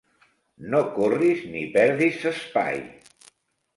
No corris ni perdis s'espai.